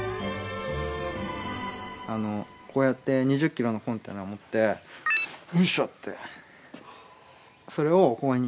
こうやって２０ｋｇのコンテナを持ってよいしょってそれをここに。